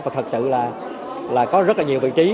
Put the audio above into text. và thật sự là có rất là nhiều vị trí